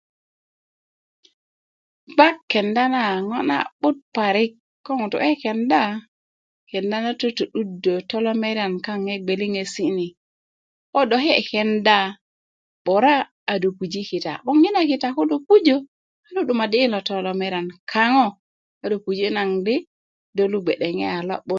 gbak kenda na a ŋo' na'but parik ko ŋutu' kekenda kenda na toto'duddö tolomeran kaaŋ yi gbiliŋesi' ni ko do kee' kenda 'bura' a do puji kita 'boŋ yina kita ko do pujö a nu 'dumaddi' yina tolomeran kaŋo a do puji' naŋ di do lu gbe'de a lo'but